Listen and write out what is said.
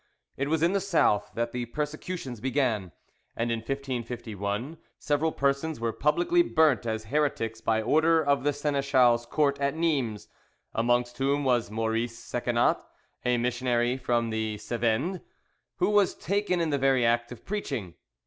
It was in the South that the persecutions began, and in 1551 several persons were publicly burnt as heretics by order of the Seneschal's Court at Nimes, amongst whom was Maurice Secenat, a missionary from the Cevennes, who was taken in the very act of preaching.